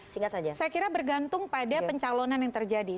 saya kira bergantung pada pencalonan yang terjadi